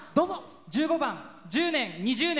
１５番「１０年２０年」。